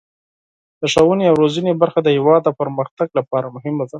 د ښوونې او روزنې برخه د هیواد د پرمختګ لپاره مهمه ده.